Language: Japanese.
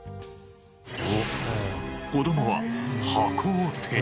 子供は箱を手に。